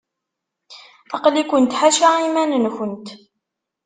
Aql-ikent ḥaca iman-nkent.